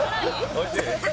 おいしい？